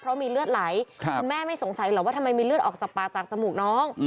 เพราะมีเลือดไหลคุณแม่ไม่สงสัยหรอกว่าทำไมมีเลือดออกจากปากจากจมูกน้อง